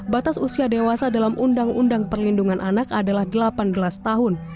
batas usia dewasa dalam undang undang perlindungan anak adalah delapan belas tahun